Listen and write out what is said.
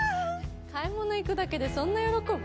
買い物行くだけでそんな喜ぶ？